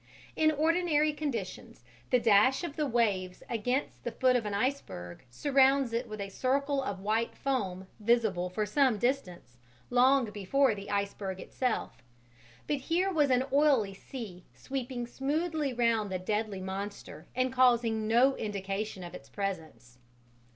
In ordinary conditions the dash of the waves against the foot of an iceberg surrounds it with a circle of white foam visible for some distance, long before the iceberg itself; but here was an oily sea sweeping smoothly round the deadly monster and causing no indication of its presence.